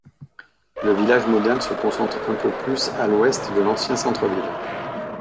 Le village moderne se concentre un peu plus à l'ouest de l'ancien centre-ville.